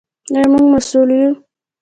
آیا موږ مسوول یو؟